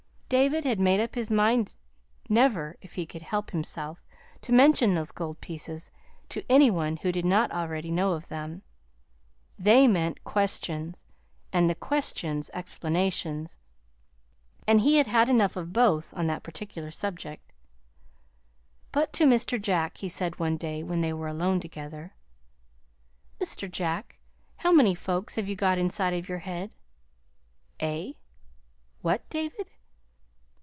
David had made up his mind never, if he could help himself, to mention those gold pieces to any one who did not already know of them. They meant questions, and the questions, explanations. And he had had enough of both on that particular subject. But to Mr. Jack he said one day, when they were alone together: "Mr. Jack, how many folks have you got inside of your head?" "Eh what, David?"